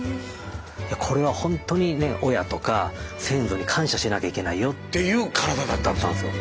「いやこれは本当にね親とか先祖に感謝しなきゃいけないよ」。っていう体だったんですか。